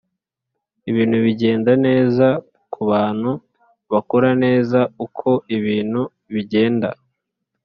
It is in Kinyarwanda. "ibintu bigenda neza kubantu bakora neza uko ibintu bigenda."